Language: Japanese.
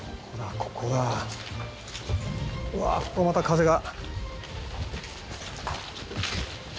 うわっここもまた風が。